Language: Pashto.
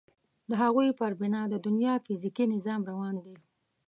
د هغوی پر بنا د دنیا فیزیکي نظام روان دی.